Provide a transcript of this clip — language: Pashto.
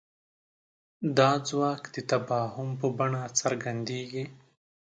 دا ځواک د تفاهم په بڼه څرګندېږي.